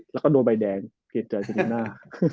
แล้วก็โดนใบแดงเพียสใจที่ดูหน้า